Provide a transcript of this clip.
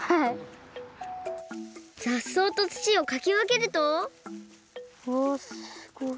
ざっそうとつちをかきわけるとうわすごい。